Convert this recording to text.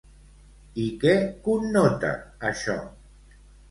I què connota, això?